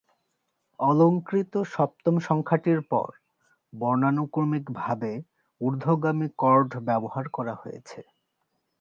অলঙ্কৃত সপ্তম সংখ্যাটির পর বর্ণানুক্রমিকভাবে ঊর্ধ্বগামী কর্ড ব্যবহার করা হয়েছে।